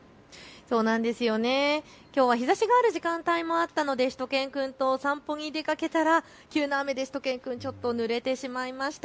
きょうは日ざしがある時間帯もあったのでしゅと犬くんとお散歩に出かけたら、急な雨でしゅと犬くんちょっとぬれてしまいました。